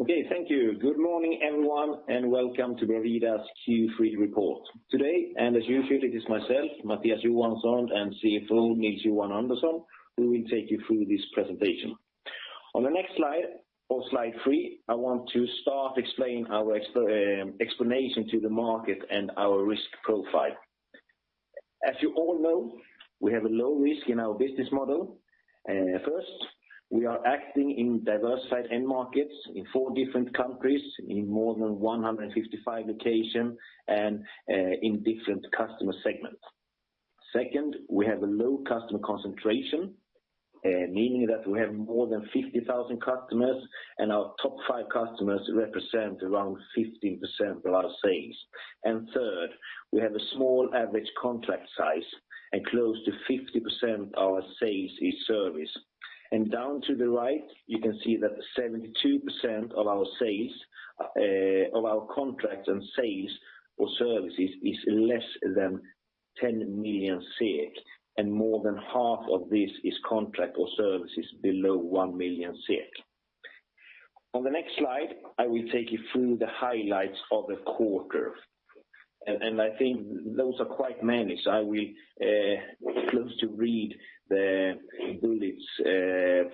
Okay, thank you. Good morning, everyone, and welcome to Bravida's Q3 report. Today, and as usual, it is myself, Mattias Johansson, and CFO, Nils-Johan Andersson, who will take you through this presentation. On the next slide, or slide 3, I want to start explaining our explanation to the market and our risk profile. As you all know, we have a low risk in our business model. First, we are acting in diversified end markets in four different countries, in more than 155 locations, and in different customer segments. Second, we have a low customer concentration, meaning that we have more than 50,000 customers, and our top five customers represent around 15% of our sales. Third, we have a small average contract size, and close to 50% of our sales is service. Down to the right, you can see that 72% of our sales, of our contracts and sales for services is less than 10 million SEK, and more than half of this is contract or services below 1 million SEK. On the next slide, I will take you through the highlights of the quarter. I think those are quite many, so I will close to read the bullets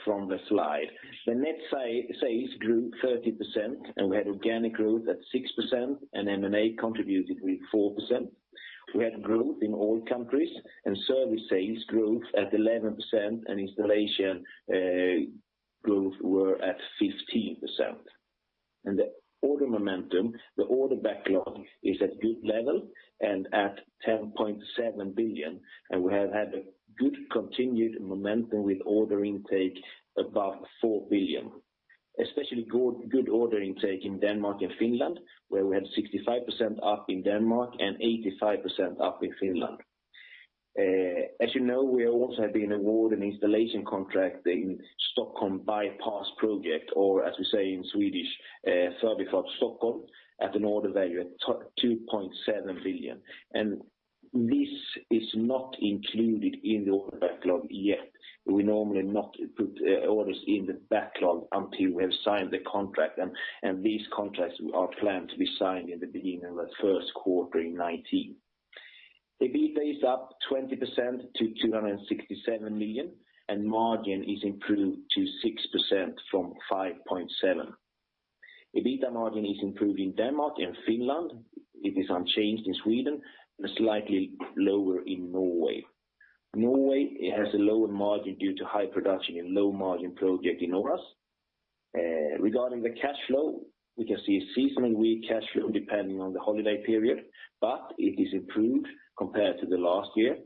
from the slide. The net sales grew 30%, and we had organic growth at 6%, and M&A contributed with 4%. We had growth in all countries, and service sales growth at 11%, and installation growth were at 15%. The order momentum, the order backlog is at good level and at 10.7 billion, and we have had a good continued momentum with order intake above 4 billion. Especially good order intake in Denmark and Finland, where we had 65% up in Denmark and 85% up in Finland. As you know, we have also been awarded an installation contract in Stockholm Bypass project, or as we say in Swedish, Förbifart Stockholm, at an order value at 2.7 billion. This is not included in the order backlog yet. We normally not put orders in the backlog until we have signed the contract, and these contracts are planned to be signed in the beginning of the Q1 in 2019. The EBITDA is up 20% to 267 million, and margin is improved to 6% from 5.7%. EBITDA margin is improved in Denmark and Finland. It is unchanged in Sweden, and slightly lower in Norway. Norway, it has a lower margin due to high production and low margin project in Oras. Regarding the cash flow, we can see a seasonally weak cash flow depending on the holiday period, but it is improved compared to the last year.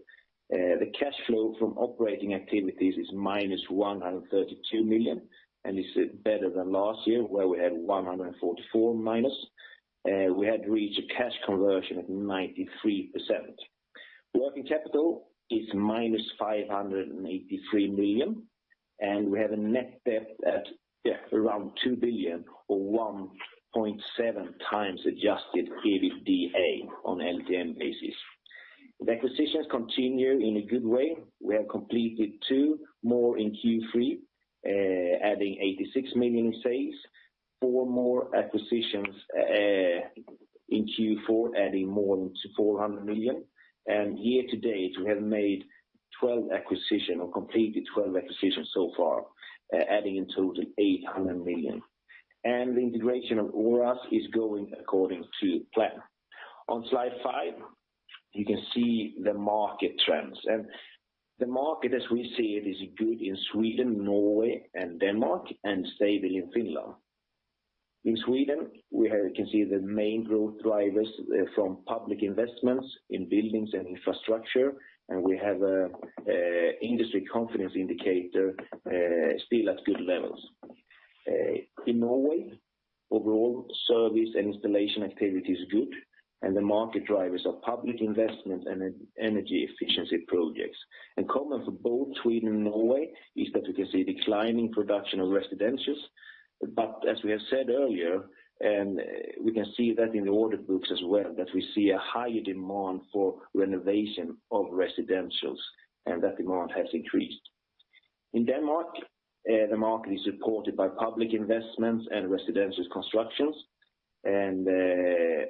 The cash flow from operating activities is -132 million, and this is better than last year, where we had -144 million. We had reached a cash conversion of 93%. Working capital is -583 million, and we have a net debt at around 2 billion or 1.7x adjusted EBITDA on LTM basis. The acquisitions continue in a good way. We have completed 2 more in Q3, adding 86 million in sales. four more acquisitions in Q4, adding more than 400 million. Year to date, we have completed 12 acquisitions so far, adding in total 800 million. The integration of Oras is going according to plan. On slide 5, you can see the market trends. The market, as we see it, is good in Sweden, Norway, and Denmark, and stable in Finland. In Sweden, we can see the main growth drivers from public investments in buildings and infrastructure, and we have a industry confidence indicator still at good levels. In Norway, overall service and installation activity is good, and the market drivers are public investment and energy efficiency projects. Common for both Sweden and Norway is that we can see declining production of residentials, but as we have said earlier, and we can see that in the order books as well, that we see a higher demand for renovation of residentials, and that demand has increased. In Denmark, the market is supported by public investments and residential constructions, and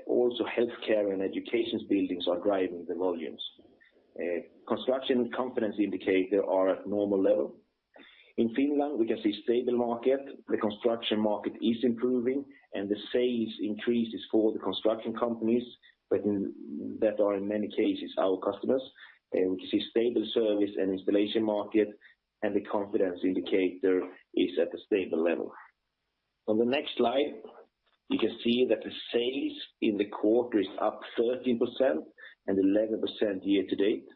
also healthcare and education buildings are driving the volumes. Construction confidence indicator are at normal level. In Finland, we can see stable market, the construction market is improving, and the sales increase is for the construction companies, that are, in many cases, our customers. We can see stable service and installation market, and the confidence indicator is at the stable level. On the next slide, you can see that the sales in the quarter is up 13% and 11% year-to-date.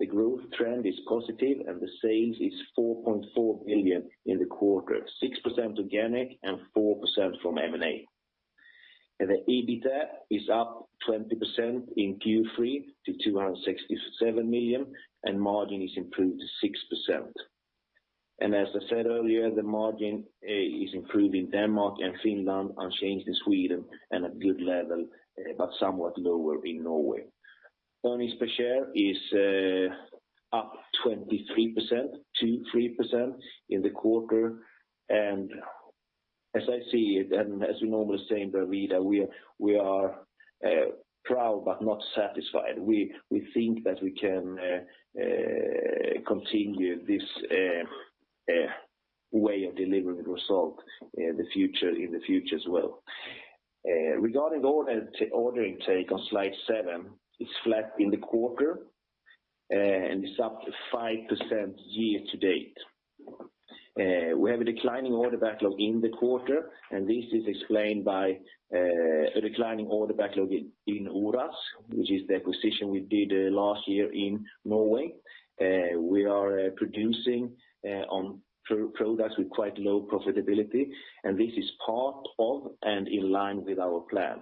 The growth trend is positive. The sales is 4.4 billion in the quarter, 6% organic and 4% from M&A. The EBITDA is up 20% in Q3 to 267 million, and margin is improved to 6%. As I said earlier, the margin is improved in Denmark and Finland, unchanged in Sweden, and a good level, but somewhat lower in Norway. Earnings per share is up 23% in the quarter. As I see it, and as we normally say in Bravida, we are proud but not satisfied. We think that we can continue this way of delivering results in the future as well. Regarding ordering take on slide 7, it's flat in the quarter, and it's up 5% year-to-date. We have a declining order backlog in the quarter, and this is explained by a declining order backlog in Oras, which is the acquisition we did last year in Norway. We are producing on products with quite low profitability, and this is part of and in line with our plan.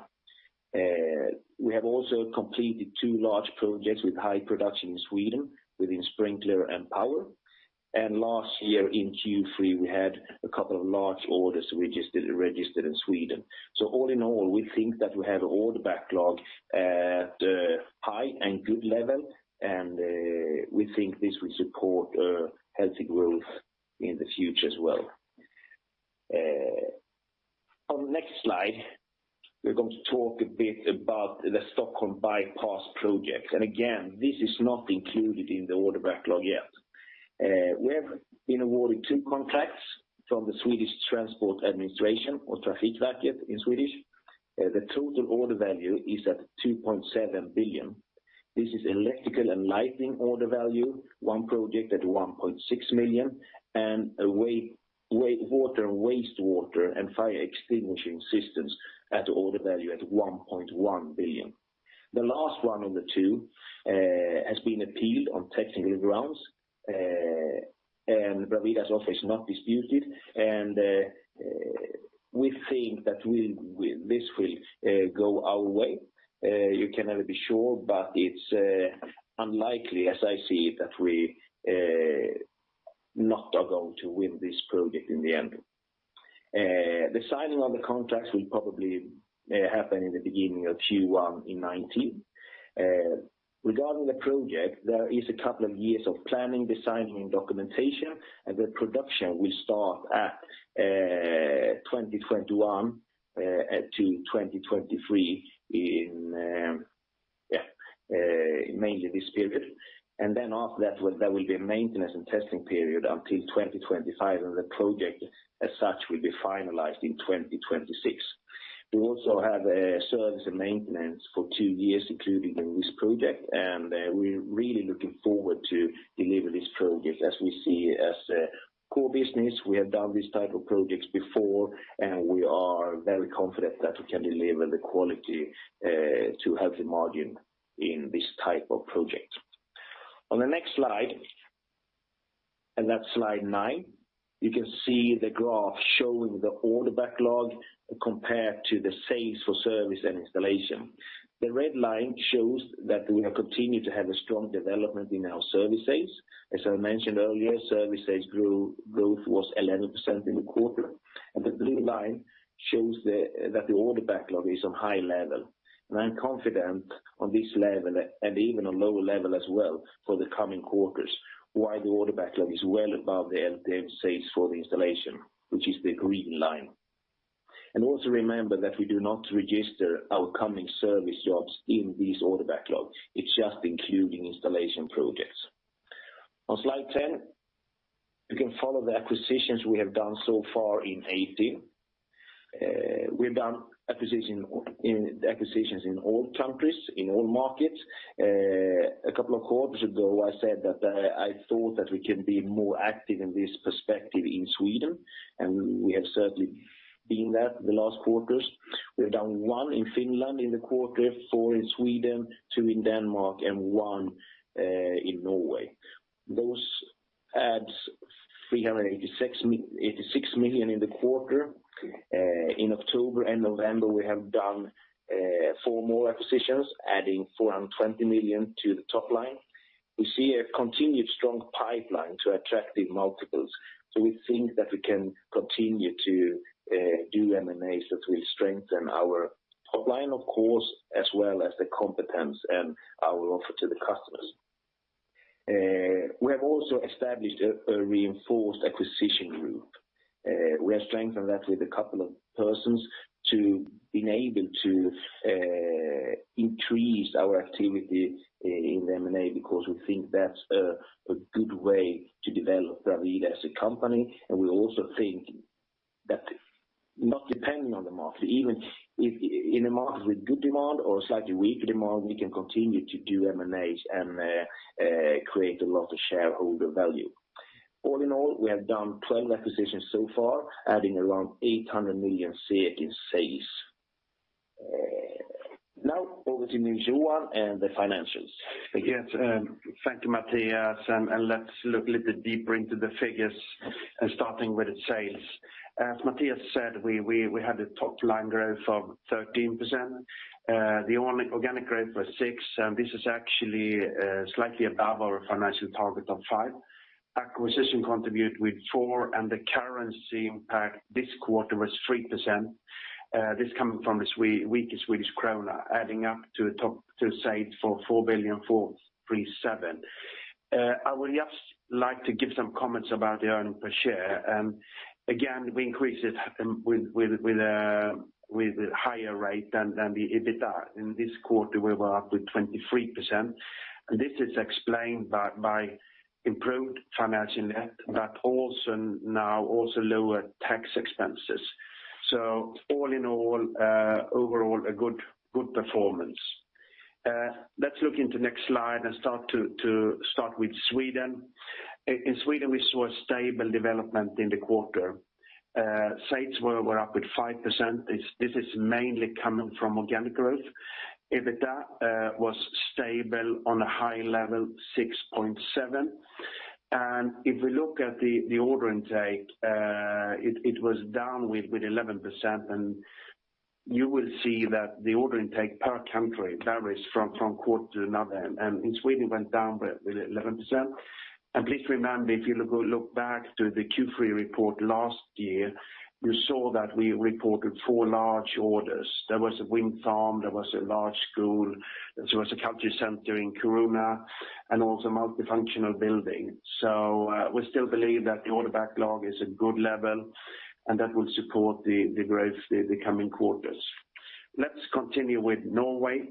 We have also completed two large projects with high production in Sweden within sprinkler and power. Last year in Q3, we had a couple of large orders registered in Sweden. All in all, we think that we have order backlog at a high and good level, and we think this will support healthy growth in the future as well. On the next slide, we're going to talk a bit about the Stockholm Bypass project. Again, this is not included in the order backlog yet. We have been awarded two contracts from the Swedish Transport Administration, or Trafikverket in Swedish. The total order value is at 2.7 billion. This is electrical and lighting order value, one project at 1.6 million, and water, wastewater, and fire extinguishing systems at order value at 1.1 billion. The last one of the two has been appealed on technical grounds, and Bravida's offer is not disputed, and we think that we this will go our way. You can never be sure, but it's unlikely, as I see it, that we not are going to win this project in the end. The signing of the contracts will probably happen in the beginning of Q1 in 2019. Regarding the project, there is a couple of years of planning, designing, and documentation, and the production will start at 2021 to 2023 in, yeah, mainly this period. After that, there will be a maintenance and testing period until 2025, and the project as such will be finalized in 2026. We also have a service and maintenance for two years, including in this project, and we're really looking forward to deliver this project as we see it as a core business. We have done these type of projects before, and we are very confident that we can deliver the quality to have the margin in this type of project. On the next slide, and that's slide nine, you can see the graph showing the order backlog compared to the sales for service and installation. The red line shows that we have continued to have a strong development in our service sales. As I mentioned earlier, service sales growth was 11% in the quarter, the blue line shows the that the order backlog is on high level. I'm confident on this level, and even on lower level as well, for the coming quarters, why the order backlog is well above the sales for the installation, which is the green line. Also remember that we do not register our coming service jobs in this order backlog. It's just including installation projects. On slide 10, you can follow the acquisitions we have done so far in 2018. We've done acquisitions in all countries, in all markets. A couple of quarters ago, I said that I thought that we can be more active in this perspective in Sweden, and we have certainly been that the last quarters. We have done one in Finland in the quarter, four in Sweden, two in Denmark, and one in Norway. Those adds 386 million in the quarter. In October and November, we have done four more acquisitions, adding 420 million to the top line. We see a continued strong pipeline to attractive multiples. We think that we can continue to do M&As that will strengthen our top line, of course, as well as the competence and our offer to the customers. We have also established a reinforced acquisition group. We have strengthened that with a couple of persons to enable to increase our activity in M&A because we think that's a good way to develop Bravida as a company. We also think that not depending on the market, even if in a market with good demand or slightly weaker demand, we can continue to do M&As and create a lot of shareholder value. All in all, we have done 12 acquisitions so far, adding around 800 million SEK in sales. Now over to Johan and the financials. Yes, thank you, Mattias, let's look a little bit deeper into the figures, starting with the sales. As Mattias said, we had a top line growth of 13%. The organic growth was 6%, and this is actually slightly above our financial target of 5.... acquisition contribute with 4, and the currency impact this quarter was 3%. This coming from the weaker Swedish krona, adding up to the top to say it's for 4,437 million. I would just like to give some comments about the earning per share. Again, we increased it with a higher rate than the EBITDA. In this quarter, we were up with 23%, this is explained by improved financial net, but also now lower tax expenses. all in all, overall, a good performance. Let's look into next slide and start with Sweden. In Sweden, we saw a stable development in the quarter. Sales were up with 5%. This is mainly coming from organic growth. EBITDA was stable on a high level, 6.7%. If we look at the order intake, it was down with 11%. You will see that the order intake per country varies from quarter to another, and in Sweden, went down with 11%. Please remember, if you look back to the Q3 report last year, you saw that we reported four large orders. There was a wind farm, there was a large school, there was a country center in Kronan, and also multifunctional building. We still believe that the order backlog is a good level, and that will support the growth the coming quarters. Let's continue with Norway.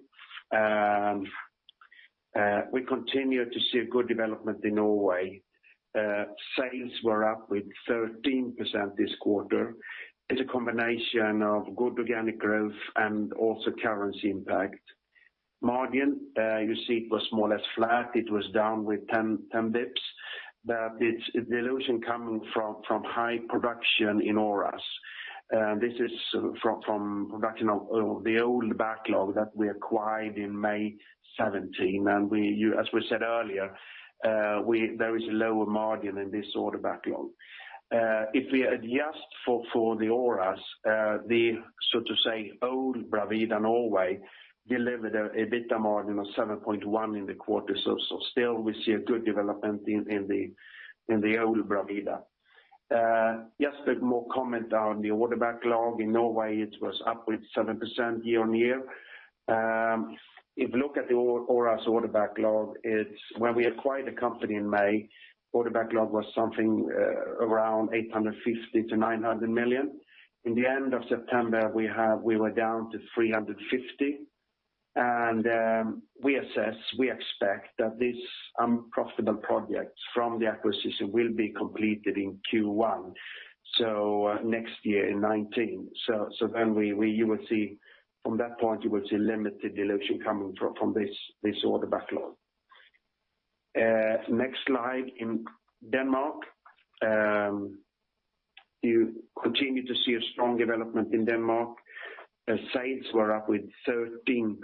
We continue to see a good development in Norway. Sales were up with 13% this quarter. It's a combination of good organic growth and also currency impact. Margin, you see, it was more or less flat. It was down with 10 bips, but it's dilution coming from high production in Oras. This is from production of the old backlog that we acquired in May 2017, and as we said earlier, there is a lower margin in this order backlog. If we adjust for the Oras, so to say, old Bravida Norway delivered EBITDA margin of 7.1 in the quarter. Still, we see a good development in the old Bravida. Just a more comment on the order backlog. In Norway, it was up with 7% year-on-year. If you look at the Oras order backlog, it's when we acquired the company in May, order backlog was something around 850 million-900 million. In the end of September, we were down to 350 million, and we expect that this unprofitable project from the acquisition will be completed in Q1, next year in 2019. Then you will see from that point, you will see limited dilution coming from this order backlog. Next slide in Denmark. You continue to see a strong development in Denmark. Sales were up with 13%.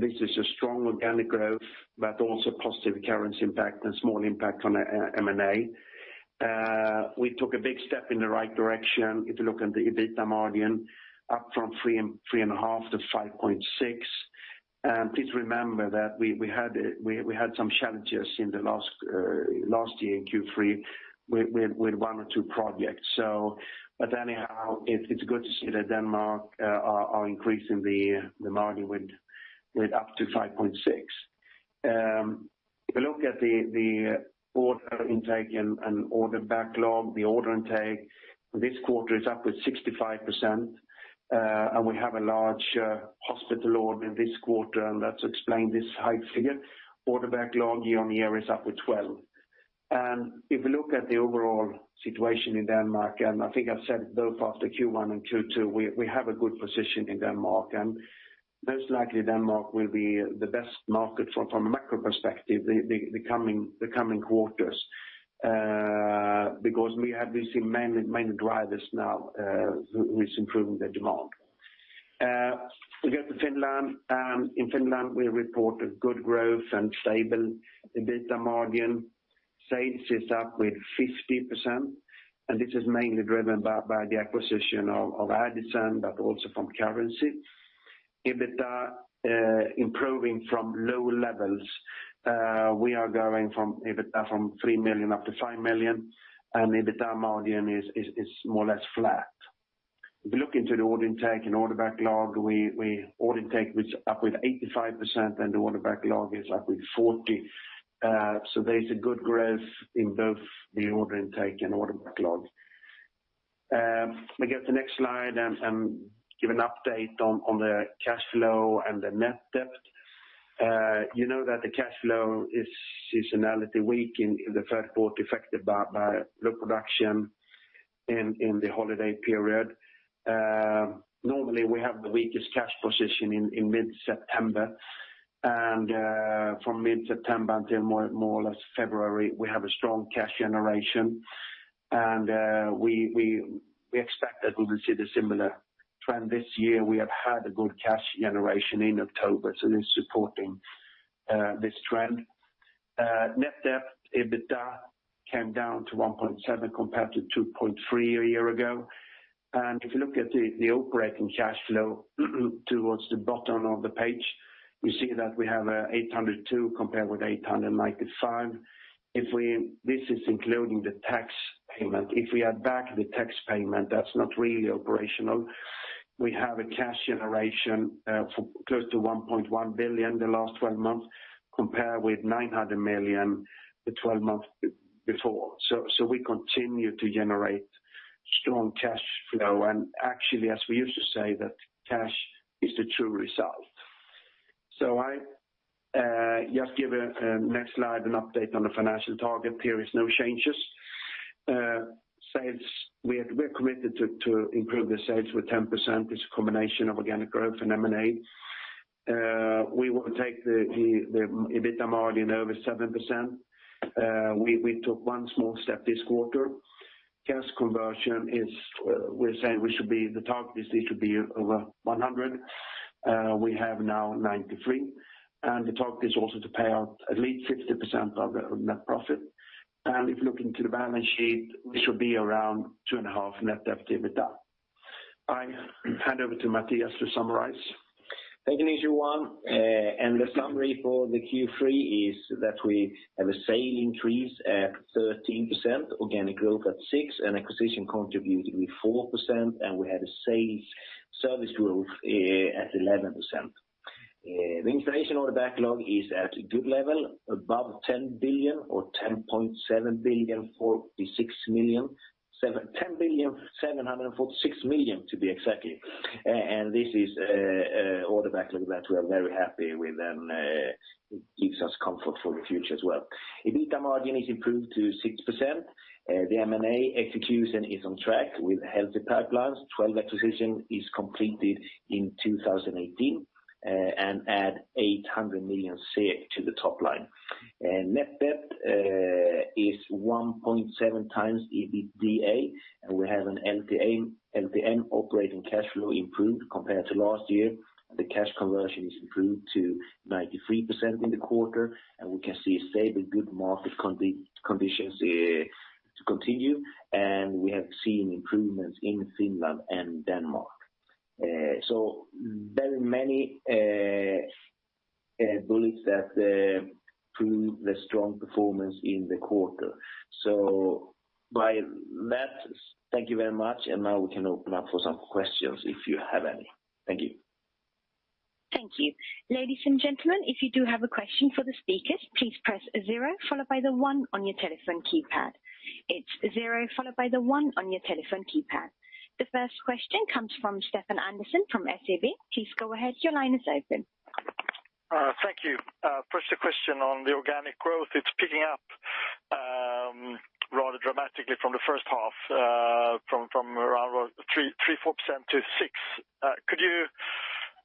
This is a strong organic growth, but also positive currency impact and small impact on M&A. We took a big step in the right direction. If you look at the EBITDA margin, up from 3.5 to 5.6. Please remember that we had some challenges in the last year in Q3 with one or two projects. Anyhow, it's good to see that Denmark are increasing the margin with up to 5.6. If you look at the order intake and order backlog, the order intake this quarter is up with 65%. We have a large hospital order in this quarter, that's explained this high figure. Order backlog year-over-year is up with 12%. If you look at the overall situation in Denmark, I think I've said it both after Q1 and Q2, we have a good position in Denmark, and most likely, Denmark will be the best market from a macro perspective, the coming quarters, because we have seen many drivers now with improving the demand. We go to Finland. In Finland, we reported good growth and stable EBITDA margin. Sales is up with 50%, and this is mainly driven by the acquisition of Adison Oy, but also from currency. EBITDA improving from low levels. We are going from EBITDA from 3 million up to 5 million, and EBITDA margin is more or less flat. If you look into the order intake and order backlog, we order intake was up with 85%, the order backlog is up with 40%. There is a good growth in both the order intake and order backlog. We get the next slide and give an update on the cash flow and the net debt. You know that the cash flow is seasonality weak in the Q3, affected by low production in the holiday period. Normally, we have the weakest cash position in mid-September, from mid-September until more or less February, we have a strong cash generation. We expect that we will see the similar trend this year. We have had a good cash generation in October, it's supporting this trend. Net debt. came down to 1.7 compared to 2.3 a year ago. If you look at the operating cash flow towards the bottom of the page, you see that we have 802 compared with 895. This is including the tax payment. If we add back the tax payment, that's not really operational, we have a cash generation for close to 1.1 billion the last twelve months, compared with 900 million the twelve months before. We continue to generate strong cash flow, and actually, as we used to say, that cash is the true result. I just give a next slide, an update on the financial target. There is no changes. Sales, we are committed to improve the sales with 10%. It's a combination of organic growth and M&A. We will take the EBITDA margin over 7%. We took one small step this quarter. Cash conversion is, we're saying the target is it should be over 100. We have now 93, and the target is also to pay out at least 60% of the net profit. If you look into the balance sheet, we should be around 2.5 net debt to EBITDA. I hand over to Mattias to summarize. Thank you, everyone. The summary for the Q3 is that we have a sale increase at 13%, organic growth at 6%, and acquisition contributed with 4%, and we had a safe service growth at 11%. The installation order backlog is at a good level, above 10 billion or 10.7 billion, 46 million, 10,746 million, to be exactly. This is an order backlog that we are very happy with, and it gives us comfort for the future as well. EBITDA margin is improved to 6%. The M&A execution is on track with healthy pipelines. 12 acquisition is completed in 2018, and add 800 million to the top line. Net debt is 1.7 times EBITDA, and we have an LTM operating cash flow improved compared to last year. The cash conversion is improved to 93% in the quarter, and we can see stable, good market conditions to continue, and we have seen improvements in Finland and Denmark. Very many beliefs that prove the strong performance in the quarter. By that, thank you very much, and now we can open up for some questions, if you have any. Thank you. Thank you. Ladies and gentlemen, if you do have a question for the speakers, please press zero followed by the one on your telephone keypad. It's zero, followed by the one on your telephone keypad. The first question comes from Stefan Andersson from SEB. Please go ahead. Your line is open. Thank you. First, a question on the organic growth. It's picking up rather dramatically from the first half, from around 3%-4% to 6%. Could you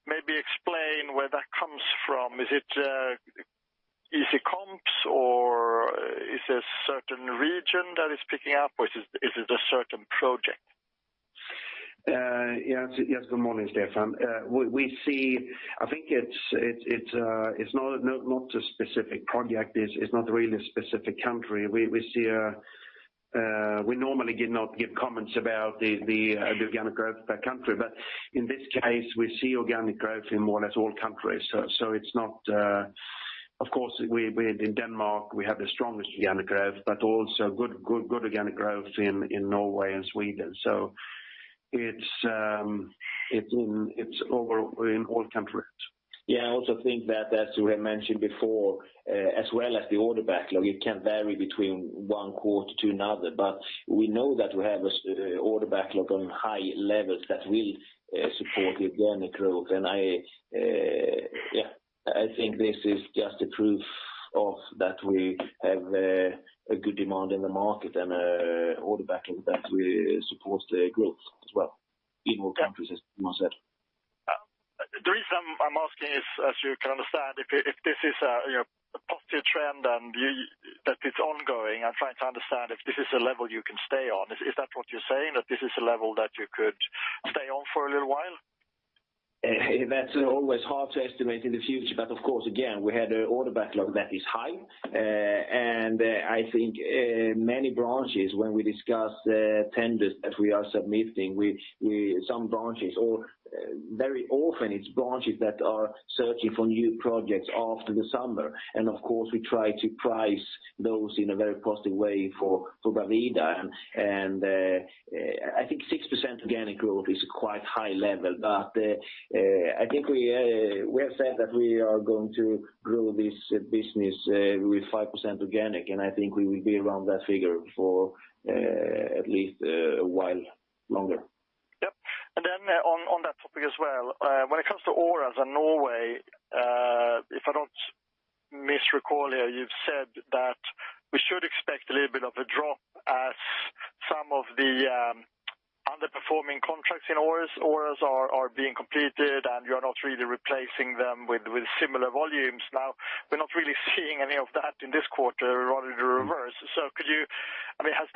maybe explain where that comes from? Is it comps, or is there a certain region that is picking up, or is it a certain project? Yes, good morning, Stefan. I think it's not a specific project. It's not really a specific country. We see, we normally do not give comments about the organic growth per country, but in this case, we see organic growth in more or less all countries. It's not. Of course, we in Denmark, we have the strongest organic growth, but also good organic growth in Norway and Sweden. It's over in all countries. Yeah, I also think that as we have mentioned before, as well as the order backlog, it can vary between Q1 to another. We know that we have a order backlog on high levels that will support the organic growth. I, yeah, I think this is just a proof of that we have a good demand in the market and order backlog that will support the growth as well in all countries, as Johan said. The reason I'm asking is, as you can understand, if this is a, you know, a positive trend and that it's ongoing, I'm trying to understand if this is a level you can stay on. Is that what you're saying, that this is a level that you could stay on for a little while? That's always hard to estimate in the future, but of course, again, we had an order backlog that is high. I think many branches, when we discuss tenders that we are submitting, some branches or very often it's branches that are searching for new projects after the summer. Of course, we try to price those in a very positive way for Bravida. I think 6% organic growth is quite high level, but I think we have said that we are going to grow this business with 5% organic, and I think we will be around that figure for at least a while longer. Yep. On that topic as well, when it comes to Oras and Norway, if I don't misrecall here, you've said that we should expect a little bit of a drop as some of the underperforming contracts in Oras are being completed, and you're not really replacing them with similar volumes. We're not really seeing any of that in this quarter, rather the reverse. Could you, I mean, has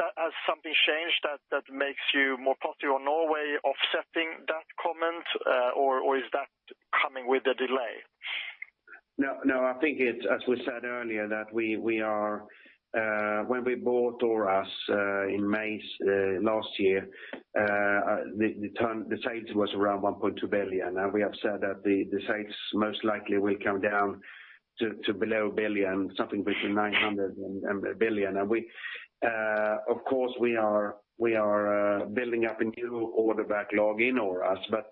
something changed that makes you more positive on Norway offsetting that comment, or is that coming with a delay? No, no, I think it's, as we said earlier, that we are when we bought Oras in May last year, the sales was around 1.2 billion, and we have said that the sales most likely will come down to below 1 billion, something between 900 million and 1 billion. We, of course, are building up a new order backlog in Oras, but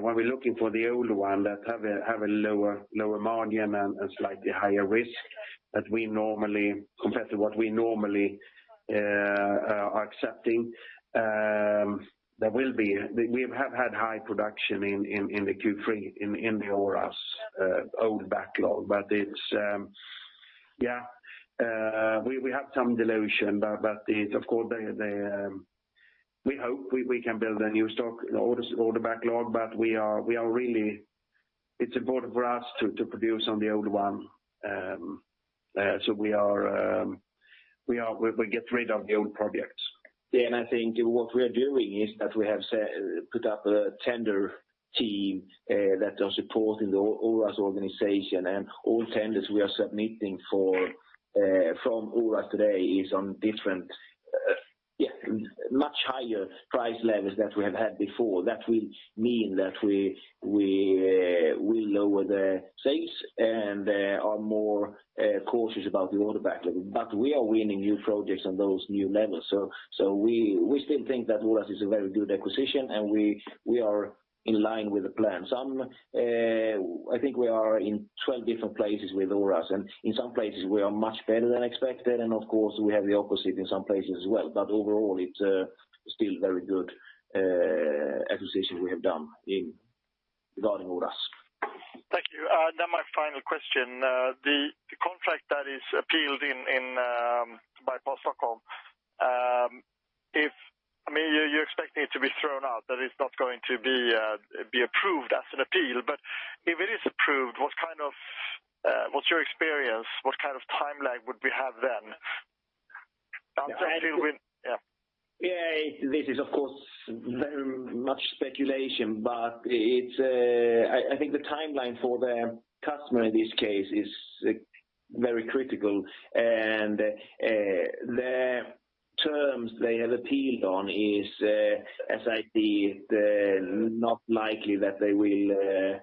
when we're looking for the old one that have a lower margin and slightly higher risk, that we compared to what we normally are accepting. We have had high production in the Q3, in the Oras old backlog. It's, yeah, we have some dilution, but it's of course, we hope we can build a new stock, order backlog, but we are really. It's important for us to produce on the old one. We get rid of the old projects. I think what we are doing is that we have put up a tender team that are supporting the Oras organization, and all tenders we are submitting for from Oras today is on different, yeah, much higher price levels that we have had before. That will mean that we will lower the sales, and they are more cautious about the order backlog. We are winning new projects on those new levels, so we still think that Oras is a very good acquisition, and we are in line with the plan. Some, I think we are in 12 different places with Oras, and in some places we are much better than expected, and of course, we have the opposite in some places as well. Overall, it's still very good acquisition we have done in regarding Oras. Thank you. My final question, the contract that is appealed in bypass Stockhol, I mean, you're expecting it to be thrown out, that it's not going to be approved as an appeal. If it is approved, what kind of, what's your experience? What kind of timeline would we have then? Actually with, yeah. Yeah, this is, of course, very much speculation, but it's. I think the timeline for the customer in this case is very critical, and the terms they have appealed on is, as I see, not likely that they will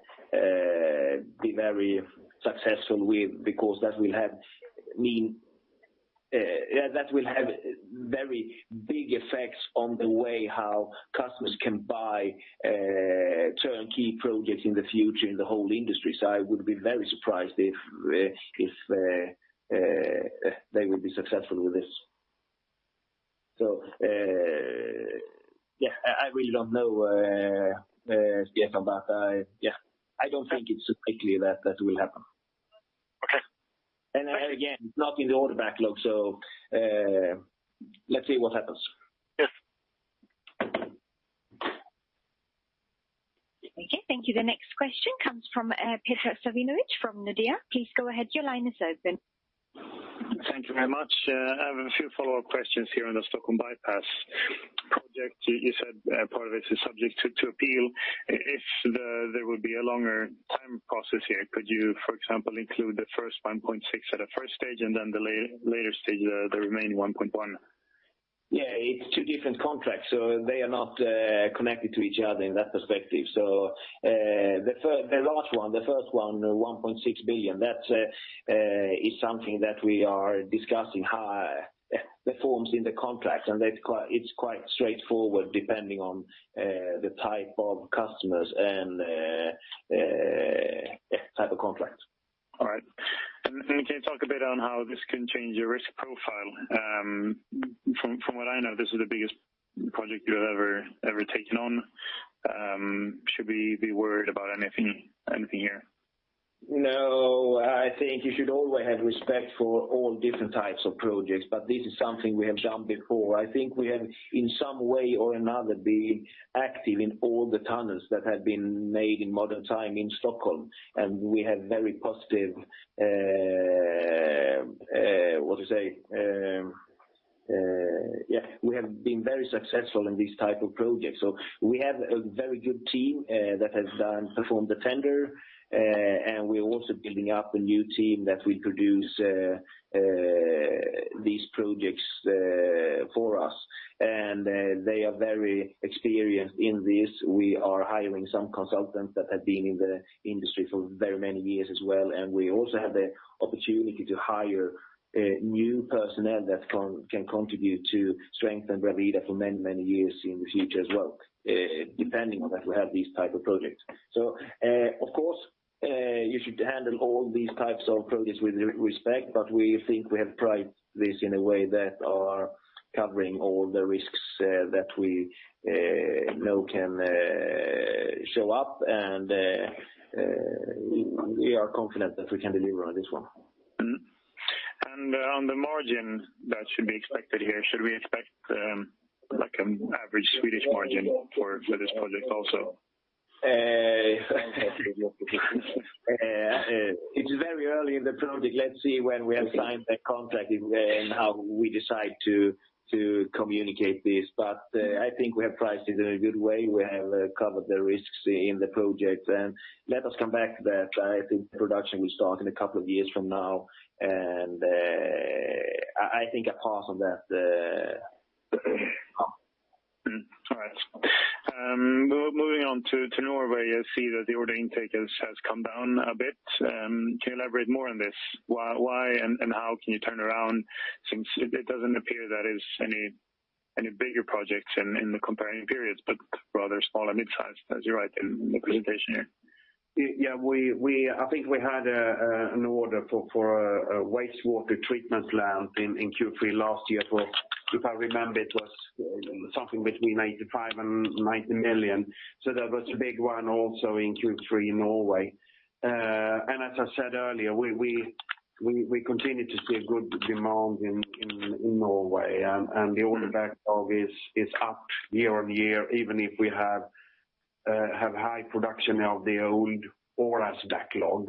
be very successful with, because that will have mean, yeah, that will have very big effects on the way how customers can buy turnkey projects in the future in the whole industry. I would be very surprised if they will be successful with this. Yeah, I really don't know yet, but, yeah, I don't think it's likely that that will happen. Okay. Again, not in the order backlog, so, let's see what happens. Yes. Okay, thank you. The next question comes from Predrag Savinovic from Nordea. Please go ahead, your line is open. Thank you very much. I have a few follow-up questions here on the Stockholm Bypass project. You said, part of it is subject to appeal. If there would be a longer time process here, could you, for example, include the first 1.6 at a first stage and then the later stage, the remaining 1.1? It's two different contracts, they are not connected to each other in that perspective. The last one, the first one, 1.6 billion, that's something that we are discussing how the forms in the contract, and that's quite, it's quite straightforward, depending on the type of customers and, yeah, type of contract. All right. Can you talk a bit on how this can change your risk profile? From what I know, this is the biggest project you have ever taken on. Should we be worried about anything here? No, I think you should always have respect for all different types of projects. This is something we have done before. I think we have, in some way or another, been active in all the tunnels that have been made in modern time in Stockholm. We have very positive, what to say? Yeah, we have been very successful in these type of projects. We have a very good team that has performed the tender. We're also building up a new team that will produce these projects for us. They are very experienced in this. We are hiring some consultants that have been in the industry for very many years as well, and we also have the opportunity to hire new personnel that can contribute to strengthen Bravida for many, many years in the future as well, depending on if we have these type of projects. Of course, you should handle all these types of projects with respect, but we think we have priced this in a way that are covering all the risks that we know can show up, and we are confident that we can deliver on this one. On the margin that should be expected here, should we expect, like an average Swedish margin for this project also? It's very early in the project. Let's see when we have signed the contract and how we decide to communicate this. I think we have priced it in a good way. We have covered the risks in the project. Let us come back to that. I think production will start in a couple of years from now. I think I pass on that. All right. Moving on to Norway, I see that the order intake has come down a bit. Can you elaborate more on this? Why and how can you turn around, since it doesn't appear that is any bigger projects in the comparing periods, but rather small and midsize, as you write in the presentation here? Yeah, we think we had an order for a wastewater treatment plant in Q3 last year for, if I remember, it was something between 85 million and 90 million. There was a big one also in Q3 in Norway. As I said earlier, we continue to see a good demand in Norway, and the order backlog is up year-over-year, even if we have high production of the old Oras backlog.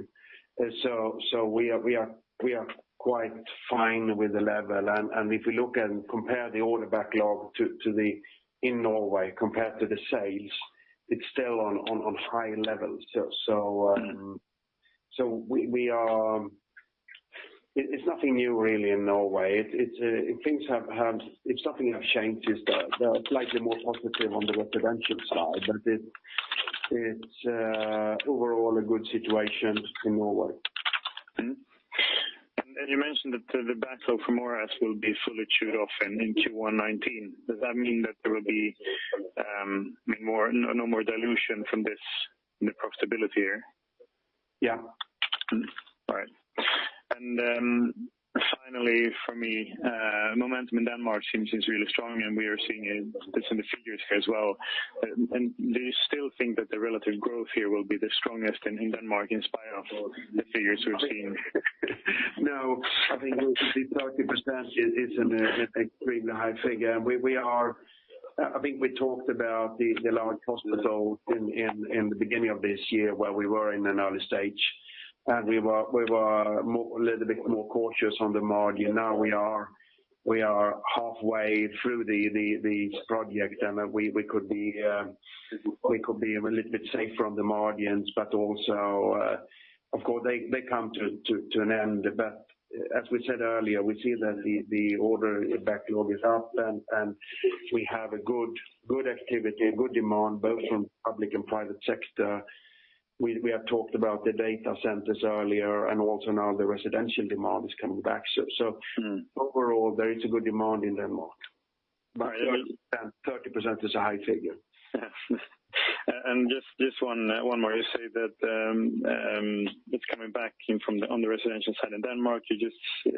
We are quite fine with the level. If you look and compare the order backlog to the, in Norway compared to the sales, it's still on high levels. We are. It's nothing new really in Norway. It's, things have... It's nothing have changed, it's the slightly more positive on the residential side, it's overall a good situation in Norway. You mentioned that the backlog for Oras will be fully chewed off in Q1 2019. Does that mean that there will be no more dilution from this, the profitability here? Yeah. All right. Finally, for me, momentum in Denmark seems is really strong, and we are seeing this in the figures here as well. Do you still think that the relative growth here will be the strongest in Denmark, in spite of all the figures we're seeing? I think the 30% is an extremely high figure. We are, I think we talked about the large hospitals in the beginning of this year, where we were in an early stage, and we were a little bit more cautious on the margin. Now we are halfway through the project, and we could be a little bit safer on the margins, but also, of course, they come to an end. As we said earlier, we see that the order backlog is up, and we have good activity, good demand, both from public and private sector. We have talked about the data centers earlier, and also now the residential demand is coming back. Mm. Overall, there is a good demand in Denmark. Right. 30% is a high figure. Just one more. You say that it's coming back in from the, on the residential side in Denmark. You just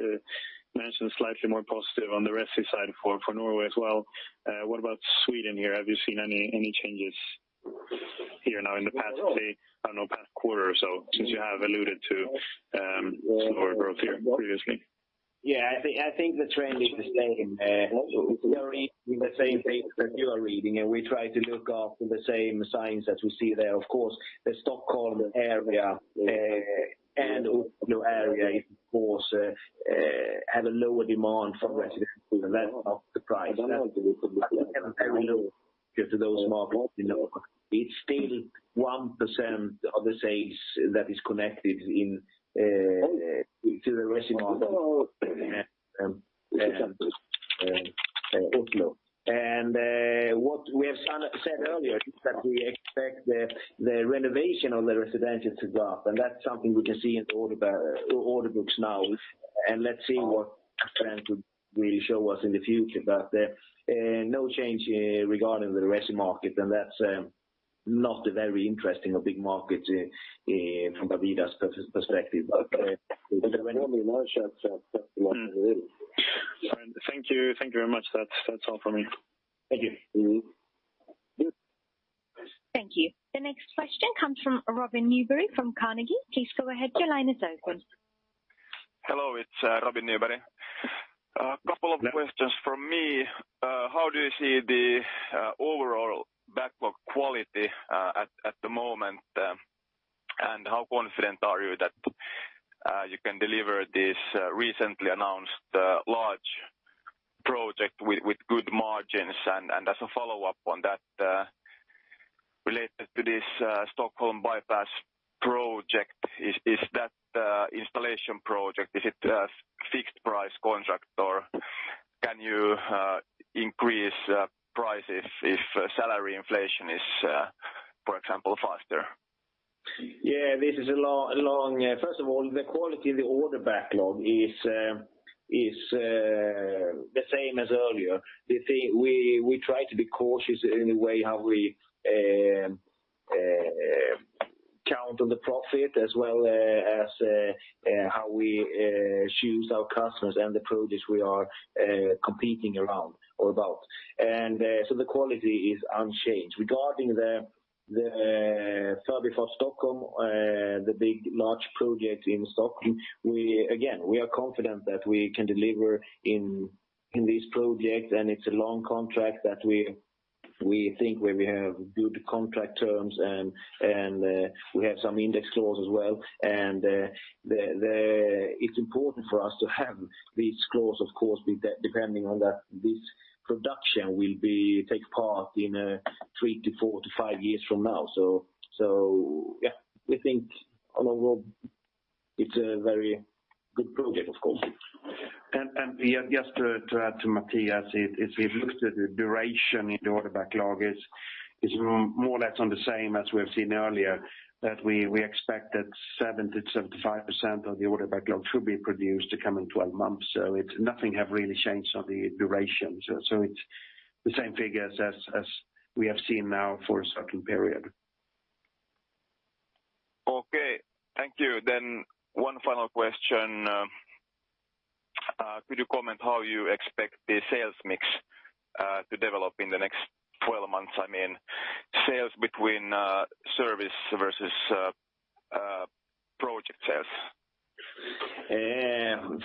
mentioned slightly more positive on the resi side for Norway as well. What about Sweden here? Have you seen any changes here now in the past, say, I don't know, past quarter or so, since you have alluded to slower growth here previously? Yeah, I think the trend is the same. We are reading the same data that you are reading, and we try to look after the same signs that we see there. Of course, the Stockholm area, and Oslo area, of course, have a lower demand from residential, and that's not the price. I don't know, given to those markets, you know, it's still 1% of the sales that is connected in to the residential Oslo. What we have said earlier is that we expect the renovation on the residential to go up, and that's something we can see in the order books now. Let's see what trend will really show us in the future. No change regarding the resi market, and that's not a very interesting or big market from Bravida's perspective. Okay. There will be no shouts out, that's what it is. All right. Thank you. Thank you very much. That's all for me. Thank you. Thank you. The next question comes from Robin Nyberg from Carnegie. Please go ahead. Your line is open. Hello, it's Robin Nyberg. Couple of questions from me. How do you see the overall backlog quality at the moment? How confident are you that you can deliver this recently announced large project with good margins? As a follow-up on that, related to this Stockholm Bypass project, is that installation project a fixed price contract, or can you increase prices if salary inflation is, for example, faster? Yeah, this is a long. First of all, the quality of the order backlog is the same as earlier. We try to be cautious in the way how we count on the profit, as well as how we choose our customers and the projects we are competing around or about. The quality is unchanged. Regarding the service for Stockholm, the big, large project in Stockholm, we again, we are confident that we can deliver in this project, and it's a long contract that we think we have good contract terms, and we have some index clause as well. the, it's important for us to have these clause, of course, depending on that, this production will take part in three to four to five years from now. yeah, we think. Overall, it's a very good project, of course. Just to add to Mattias, if we've looked at the duration in the order backlog, is more or less on the same as we have seen earlier, that we expect that 70%-75% of the order backlog should be produced to come in 12 months. It's nothing have really changed on the duration. It's the same figures as we have seen now for a certain period. Okay, thank you. One final question. Could you comment how you expect the sales mix to develop in the next 12 months? I mean, sales between service versus project sales.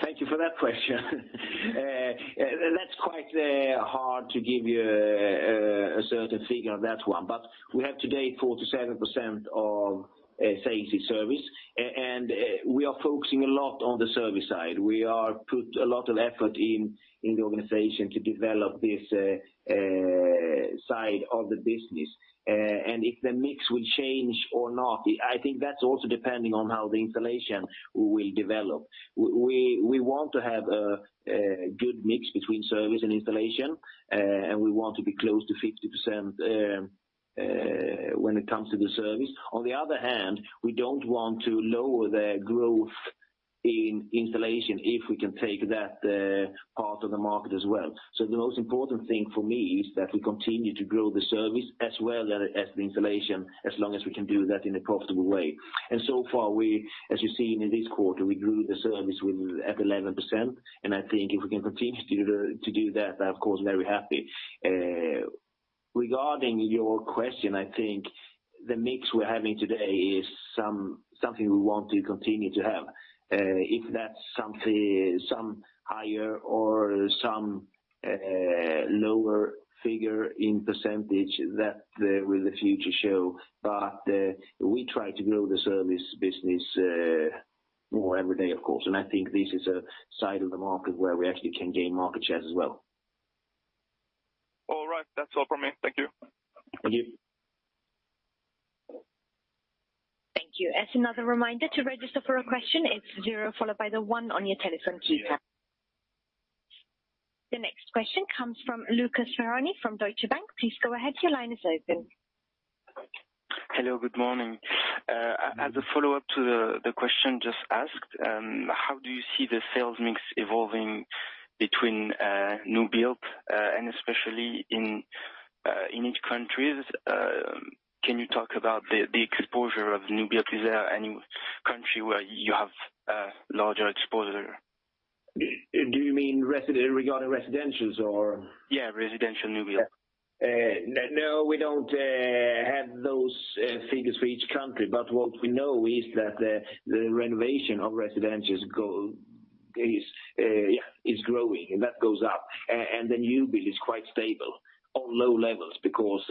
Thank you for that question. That's quite hard to give you a certain figure on that one. We have today 47% of say, AC service, and we are focusing a lot on the service side. We are put a lot of effort in the organization to develop this side of the business. If the mix will change or not, I think that's also depending on how the installation will develop. We want to have a good mix between service and installation, and we want to be close to 50% when it comes to the service. On the other hand, we don't want to lower the growth in installation if we can take that part of the market as well. The most important thing for me is that we continue to grow the service as well as the installation, as long as we can do that in a profitable way. So far, we, as you've seen in this quarter, we grew the service with at 11%. I think if we can continue to do that, I, of course, very happy. Regarding your question, I think the mix we're having today is something we want to continue to have. If that's something, some higher or some lower figure in percentage, that will the future show. We try to grow the service business more every day, of course. I think this is a side of the market where we actually can gain market shares as well. All right. That's all from me. Thank you. Thank you. Thank you. As another reminder, to register for a question, it's zero, followed by the one on your telephone keypad. The next question comes from Lucas Ferhani from Deutsche Bank. Please go ahead, your line is open. Hello, good morning. As a follow-up to the question just asked, how do you see the sales mix evolving between new build, and especially in each countries? Can you talk about the exposure of new build? Is there any country where you have larger exposure? Do you mean regarding residentials or? Yeah, residential new build. No, we don't have those figures for each country, but what we know is that the renovation of residentials grow, is, yeah, is growing, and that goes up. The new build is quite stable on low levels because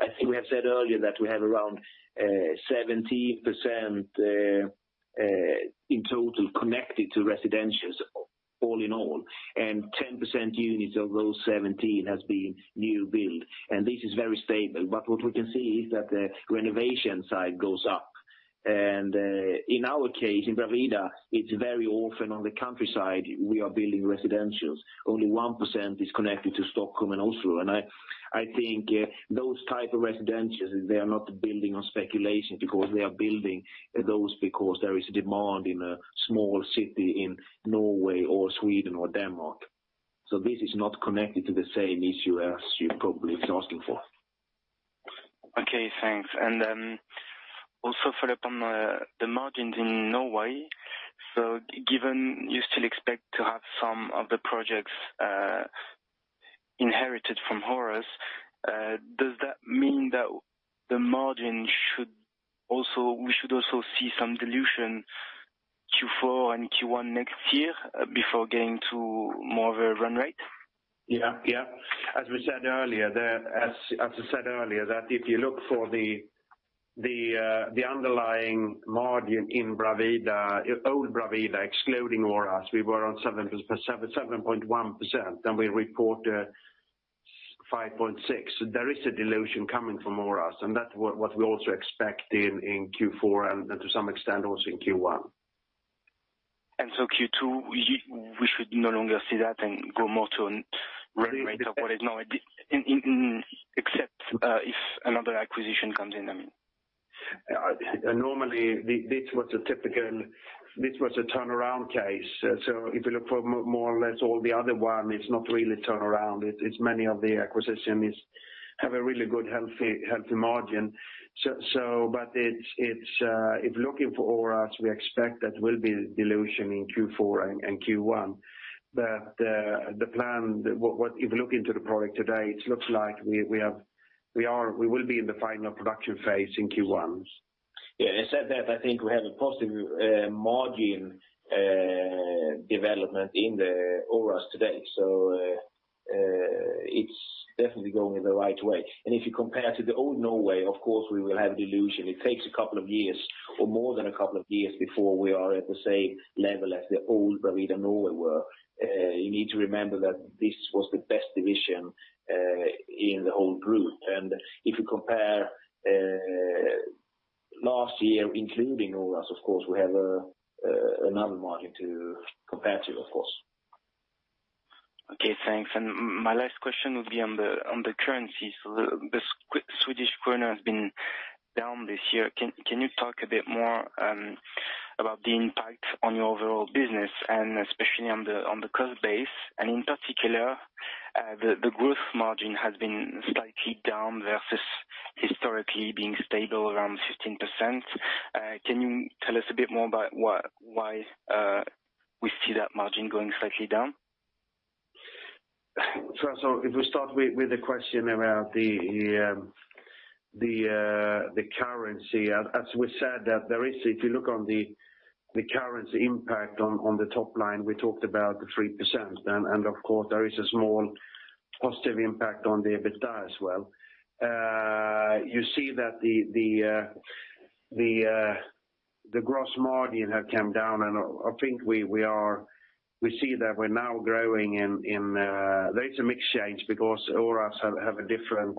I think we have said earlier that we have around 17% in total, connected to residentials, all in all, and 10% units of those 17 has been new build, and this is very stable. But what we can see is that the renovation side goes up. In our case, in Bravida, it's very often on the countryside, we are building residentials. Only 1% is connected to Stockholm and Oslo. I think, those type of residentials, they are not building on speculation because they are building those because there is demand in a small city in Norway or Sweden or Denmark. This is not connected to the same issue as you probably is asking for. Okay, thanks. Also follow up on the margins in Norway. Given you still expect to have some of the projects inherited from Oras, does that mean that the margin should also see some dilution Q4 and Q1 next year before getting to more of a run rate? Yeah, yeah. As I said earlier, that if you look for the underlying margin in Bravida, old Bravida, excluding Oras, we were on 7.1%, then we report 5.6%. There is a dilution coming from Oras. That's what we also expect in Q4 and to some extent, also in Q1. Q2, we should no longer see that and go more to an run rate of what is now, in, except, if another acquisition comes in, I mean? normally, this was a turnaround case. If you look for more or less all the other one, it's not really turnaround. It's many of the acquisition have a really good, healthy margin. It's, if looking for Oras, we expect that will be dilution in Q4 and Q1. The plan, what if you look into the product today, it looks like we are, we will be in the final production phase in Q1. Yeah, I said that I think we have a positive margin development in the Oras today, it's definitely going in the right way. If you compare to the old Norway, of course, we will have dilution. It takes a couple of years or more than a couple of years before we are at the same level as the old Bravida Norway were. You need to remember that this was the best division in the whole group. If you compare last year, including Oras, of course, we have another margin to compare to, of course. Okay, thanks. My last question would be on the currency. The Swedish krona has been down this year. Can you talk a bit more about the impact on your overall business and especially on the cost base? In particular, the growth margin has been slightly down versus historically being stable around 15%. Can you tell us a bit more about why we see that margin going slightly down? If we start with the question around the currency. As we said, if you look on the currency impact on the top line, we talked about the 3%. Of course, there is a small positive impact on the EBITDA as well. You see that the gross margin have come down, and I think we see that we're now growing in. There is some exchange because Oras have a different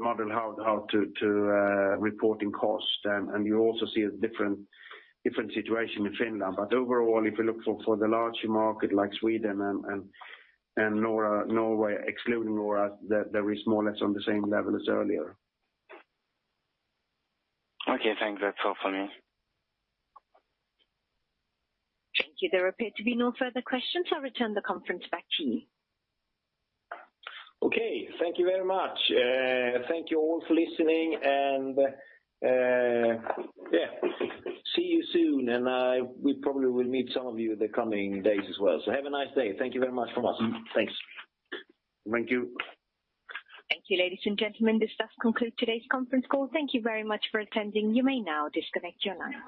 model how to reporting costs. You also see a different situation in Finland. Overall, if you look for the larger market like Sweden and Norway, excluding Oras, they're more or less on the same level as earlier. Okay, thanks. That's all for me. Thank you. There appear to be no further questions. I'll return the conference back to you. Okay, thank you very much. Thank you all for listening, and, yeah, see you soon. We probably will meet some of you in the coming days as well. Have a nice day. Thank you very much from us. Thanks. Thank you. Thank you, ladies and gentlemen, this does conclude today's conference call. Thank you very much for attending. You may now disconnect your line.